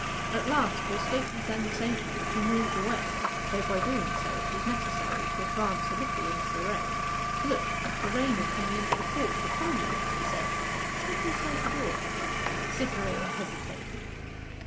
At last to escape the sensation she moved away, though by so doing it was necessary to advance a little into the rain. 'Look, the rain is coming into the porch upon you,' he said. 'Step inside the door.' Cytherea hesitated.